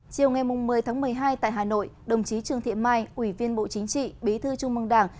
chiều ngày một mươi tháng một mươi hai tại hà nội đồng chí trương thị mai ủy viên bộ chính trị bí thư trung mương đảng